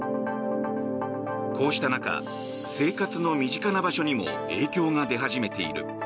こうした中生活の身近な場所にも影響が出始めている。